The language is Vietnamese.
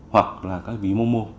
hoặc là các ví môn mô